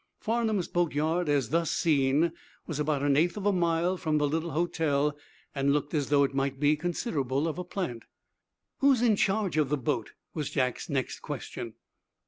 Farnum's "boatyard," as thus seen, was about an eighth of a mile from the little hotel, and looked as though it might be considerable of a plant. "Who's in charge of the boat?" was Jack's next question.